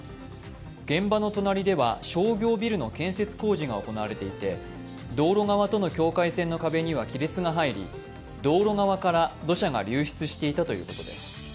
現場の隣では商業ビルの建設工事が行われていて、道路側との境界線の壁には亀裂が入り道路側から土砂が流出していたということです。